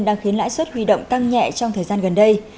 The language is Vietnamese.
đang khiến lãi suất huy động tăng nhẹ trong thời gian gần đây